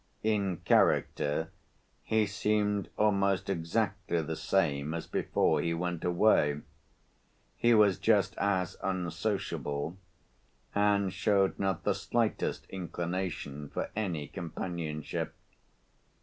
In character he seemed almost exactly the same as before he went away. He was just as unsociable, and showed not the slightest inclination for any companionship.